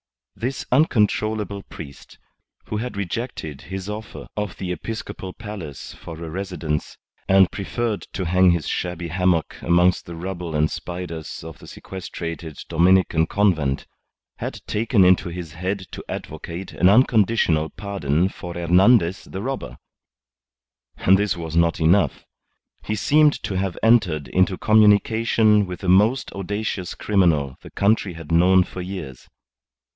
This uncontrollable priest, who had rejected his offer of the episcopal palace for a residence and preferred to hang his shabby hammock amongst the rubble and spiders of the sequestrated Dominican Convent, had taken into his head to advocate an unconditional pardon for Hernandez the Robber! And this was not enough; he seemed to have entered into communication with the most audacious criminal the country had known for years.